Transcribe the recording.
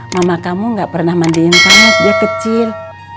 mama kamu nggak pernah mandiin sama dia kecil